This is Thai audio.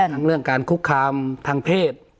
ทั้งเรื่องการคุกคามทางเพศ